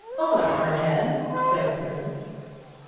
"Bother her head!" said a third.